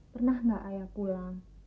pernah tidak ayah pulang